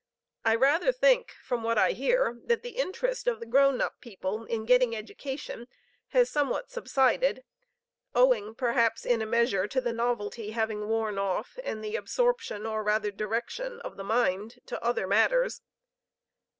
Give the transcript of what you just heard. I rather think from what I hear that the interest of the grown up people in getting education has somewhat subsided, owing, perhaps, in a measure, to the novelty having worn off and the absorption or rather direction of the mind to other matters.